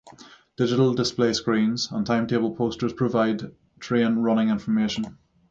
Digital display screens and timetable posters provide train running information.